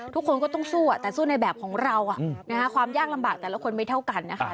ทุกคนก็ต้องสู้แต่สู้ในแบบของเราความยากลำบากแต่ละคนไม่เท่ากันนะคะ